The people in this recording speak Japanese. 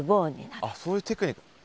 あっそういうテクニック。